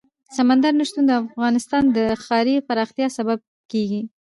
سمندر نه شتون د افغانستان د ښاري پراختیا سبب کېږي.